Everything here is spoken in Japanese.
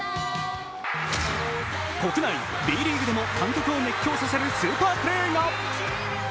国内、Ｂリーグでも観客を熱狂させるスーパープレーが。